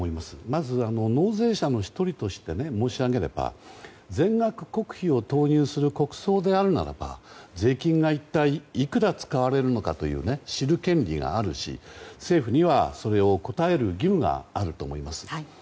まずは納税者の１人として申し上げれば全額国費を投入する国葬であるならば税金が一体いくら使われるのかを知る権利があるし政府にはそれを答える義務があると思います。